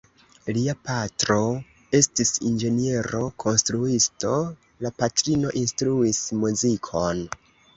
Lia patro estis inĝeniero-konstruisto, la patrino instruis muzikon.